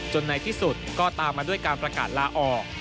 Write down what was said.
ในที่สุดก็ตามมาด้วยการประกาศลาออก